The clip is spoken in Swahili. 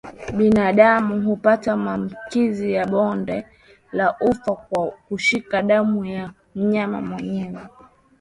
Binadamu hupata maambukizi ya bonde la ufa kwa kushika damu ya mnyama mwenye maambukizi